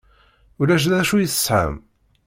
Ulac d acu i tesham?